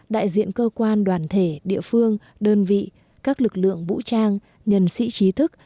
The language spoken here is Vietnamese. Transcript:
đại diện cơ quan đoàn thể địa phương đơn vị các lực lượng vũ trang nhân sĩ trí thức